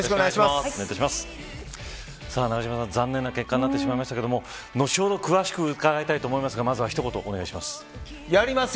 永島さん、残念な結果になってしまいましたが後ほど、詳しく伺いたいと思いますがまずは一言、お願いします。